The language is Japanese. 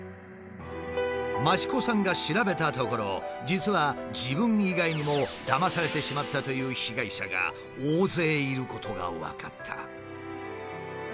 益子さんが調べたところ実は自分以外にもダマされてしまったという被害者が大勢いることが分かった。